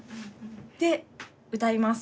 で歌います。